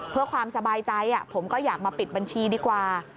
เพื่อความสบายใจผมก็อยากมาปิดบัญชีดีกว่า